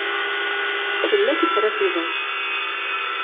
Tella tifrat-iḍen.